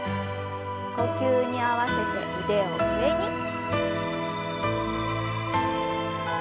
呼吸に合わせて腕を上に。